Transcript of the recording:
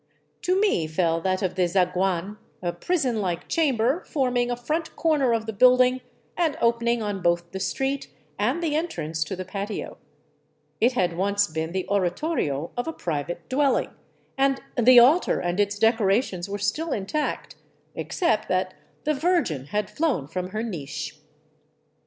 To me fell that of the zaguan, a prison like chamber forming a front corner of the building ana opening on both the street and the entrance to the patio. It had once been the oratorio of a private dwelling, and the altar and its decorations were still intact, except that the Virgin had flown from her niche.